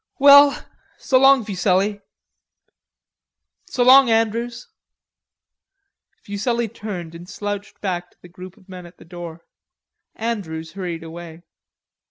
"Well, so long, Fuselli." "So long, Andrews." Fuselli turned and slouched back to the group of men at the door. Andrews hurried away.